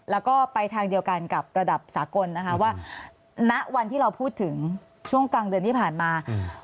แล้วก็ไปทางเดียวกันกับระดับสากลนะคะว่าณวันที่เราพูดถึงช่วงกลางเดือนที่ผ่านมา